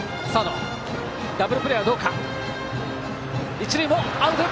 一塁もアウト！